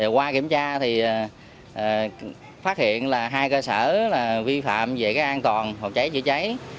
qua kiểm tra thì phát hiện là hai cơ sở vi phạm về an toàn phòng cháy chữa cháy